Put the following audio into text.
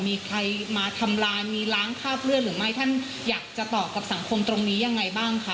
มีใครมาทำลายมีล้างคราบเลือดหรือไม่ท่านอยากจะตอบกับสังคมตรงนี้ยังไงบ้างคะ